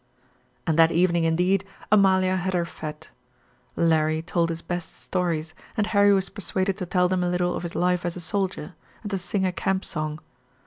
And that evening indeed, Amalia had her "fête." Larry told his best stories, and Harry was persuaded to tell them a little of his life as a soldier, and to sing a camp song.